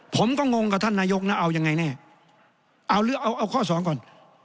ผมก็งงกับท่านนายกนะเอายังไงแน่เอาหรือเอาเอาข้อสองก่อน